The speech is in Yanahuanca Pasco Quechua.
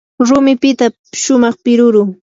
rumipita shumaq piruru.